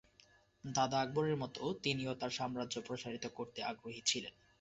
দাদা আকবরের মতো তিনিও তার সাম্রাজ্য প্রসারিত করতে আগ্রহী ছিলেন।